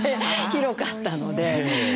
広かったので。